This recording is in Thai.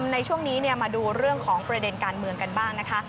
ในช่วงนี้มาดูเรื่องของประเด็นการเมืองกันบ้างนะคะ